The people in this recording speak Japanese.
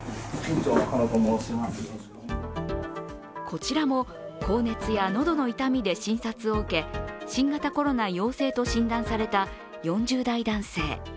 こちらも高熱や喉の痛みで診察を受け新型コロナ陽性と診断された４０代男性。